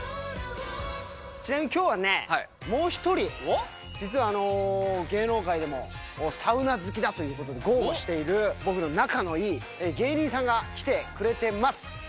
ちなみにきょうはね、もう１人、実は芸能界でも、サウナ好きだということで、豪語している僕の仲のいい芸人さんが来てくれてます。